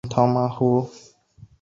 他不喝酒精类饮料。